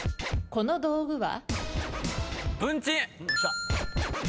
この道具は？